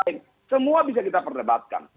itu keinginan jokowi disampaikan oleh orang lain